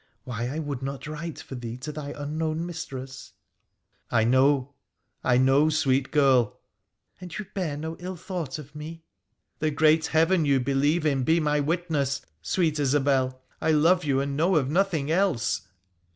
Why I would not write for thee to thy unknown mistress ?'' I know — I know, sweet girl !'' And you bear no ill thought of me ?'' The great Heaven you believe in be my witness, sweet Isobel ! I love you, and know of nothing else